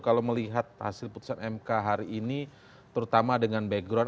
kalau melihat hasil putusan mk hari ini terutama dengan background